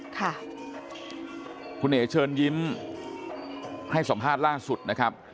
ค่ะคุณเอ๋เชิญยิ้มให้สัมภาษณ์ล่าสุดนะครับ